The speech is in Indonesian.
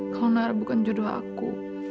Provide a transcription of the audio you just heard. kalau nara bukan jodoh aku